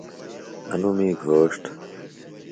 انوۡ می گھوݜٹ۔